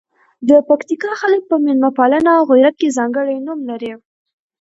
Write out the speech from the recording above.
د پکتیکا خلګ په میلمه پالنه او غیرت کې ځانکړي نوم لزي.